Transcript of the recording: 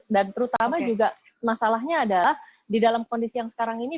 dan terutama juga masalahnya adalah di dalam kondisi yang sekarang ini